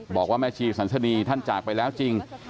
บอกว่าแม่ชีสันสนีท่านจากไปแล้วจริง